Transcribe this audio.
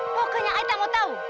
pokoknya saya tak mau tahu